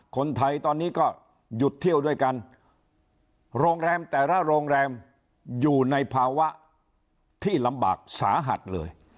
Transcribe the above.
คนไทยตอนนี้ก็หยุดเที่ยวด้วยกันโรงแรมแต่ละโรงแรมอยู่ในภาวะที่ลำบากสาหัสเลย